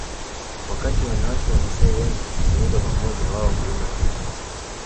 Wakati wanawake wamasai wengi hukusanyika pamoja wao huimba na kucheza